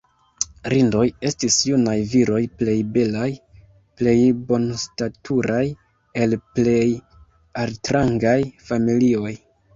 "Rindoj" estis junaj viroj plej belaj, plej bonstaturaj el plej altrangaj familioj.